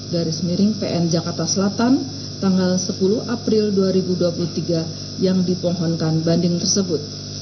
garis miring pn jakarta selatan tanggal sepuluh april dua ribu dua puluh tiga yang dipohonkan banding tersebut